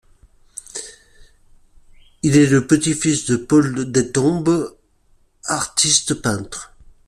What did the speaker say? Il est le petit-fils de Paul Deltombe, artiste peintre.